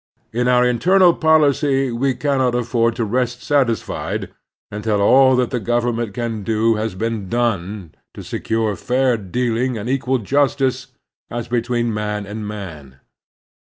In our internal policy we cannot afford to rest satisfied tmtil all that the government can do has been done to secure fair dealing and equal justice as between man and man.